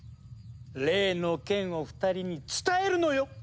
例の件を２人に伝えるのよ！